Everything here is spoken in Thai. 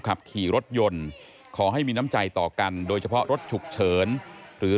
ขับขี่รถยนต์ขอให้มีน้ำใจต่อกันโดยเฉพาะรถฉุกเฉินหรือ